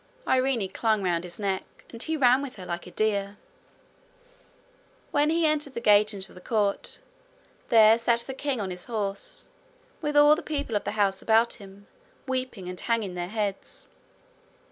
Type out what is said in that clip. Irene clung round his neck and he ran with her like a deer. When he entered the gate into the court, there sat the king on his horse, with all the people of the house about him, weeping and hanging their heads.